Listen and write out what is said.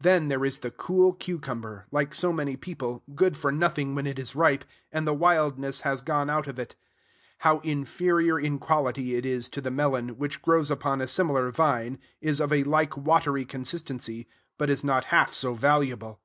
Then there is the cool cucumber, like so many people, good for nothing when it is ripe and the wildness has gone out of it. How inferior in quality it is to the melon, which grows upon a similar vine, is of a like watery consistency, but is not half so valuable!